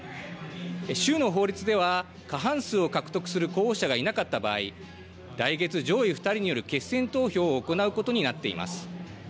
州の法律では過半数を獲得する候補者がいなかった場合、来月、上位２人による決選投票を行うことになっています。